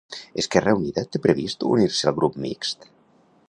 Esquerra Unida té previst unir-se al grup mixt?